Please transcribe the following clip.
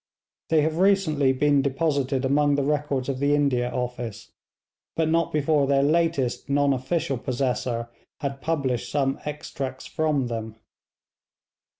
They have recently been deposited among the records of the India Office, but not before their latest non official possessor had published some extracts from them.